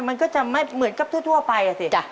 มันก็จะไม่เหมือนกับทั่วไปอ่ะสิ